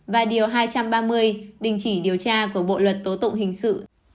và điều hai trăm ba mươi đình chỉ điều tra của bộ luật tố tụng hình sự